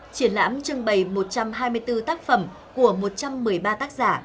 triển lãm trưng bày một trăm hai mươi bốn tác phẩm của một trăm một mươi ba tác giả